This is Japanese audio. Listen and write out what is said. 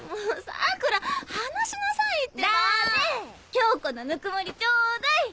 恭子のぬくもりちょうだい！